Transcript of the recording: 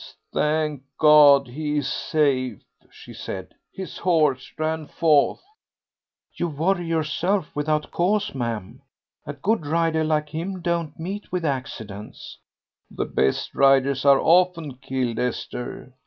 "Thank God, he's safe," she said; "his horse ran fourth." "You worry yourself without cause, ma'am. A good rider like him don't meet with accidents." "The best riders are often killed, Esther.